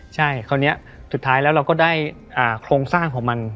ใช่คราวนี้สุดท้ายแล้วเราก็ได้โครงสร้างของมัน